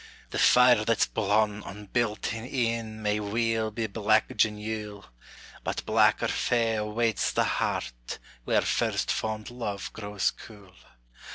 The fire that's blawn on Beltane e'en May weel be black gin Yule; But blacker fa' awaits the heart Where first fond luve grows cule.